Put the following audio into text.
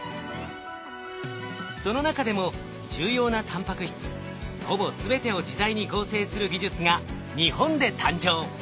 その中でも重要なタンパク質ほぼ全てを自在に合成する技術が日本で誕生。